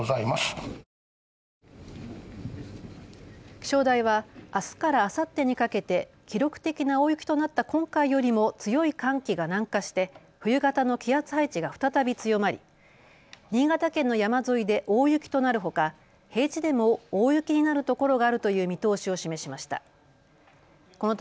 気象台はあすからあさってにかけて記録的な大雪となった今回よりも強い寒気が南下して冬型の気圧配置が再び強まり新潟県の山沿いで大雪となるほか平地でも大雪になる所があるという見通しを示しました。